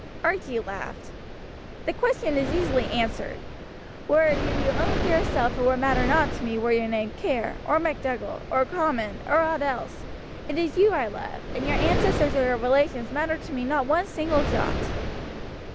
'" Archie laughed. "The question is easily answered. Were you your own dear self it would matter nought to me were your name Kerr, or MacDougall, or Comyn, or aught else. It is you I love, and your ancestors or your relations matter to me not one single jot."